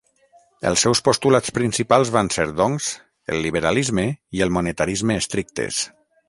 Els seus postulats principals van ser, doncs, el liberalisme i el monetarisme estrictes.